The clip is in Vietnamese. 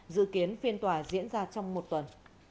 dự kiến phiên tòa diễn ra trong một tuần